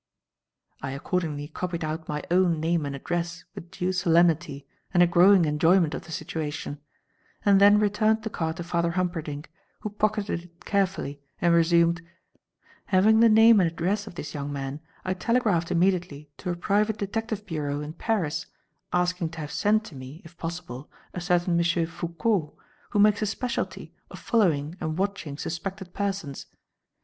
I accordingly copied out my own name and address with due solemnity and a growing enjoyment of the situation, and then returned the card to Father Humperdinck, who pocketed it carefully and resumed: "Having the name and address of this young man, I telegraphed immediately to a private detective bureau in Paris, asking to have sent to me, if possible, a certain M. Foucault, who makes a speciality of following and watching suspected persons.